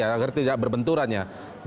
agar tidak berbenturan ya